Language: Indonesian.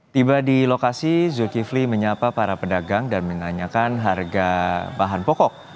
tiba di lokasi zulkifli menyapa para pedagang dan menanyakan harga bahan pokok